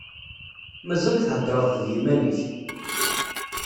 Mazal theddreḍ d yiman-ik?